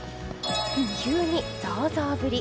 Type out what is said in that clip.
急にザーザー降り。